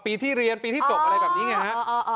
ปีที่เรียนปีที่จบอะไรแบบนี้ไงฮะ